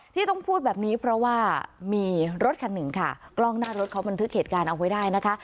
ที่ต้องพูดแบบนี้เพราะว่ามีรถคันหนึ่งค่ะกล้องหน้ารถเขาบันทึกเหตุการณ์เอาไว้ได้นะคะ